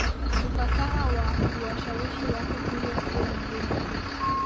ufasaha wa kuwashawishi Watu Huyo siyo mwingine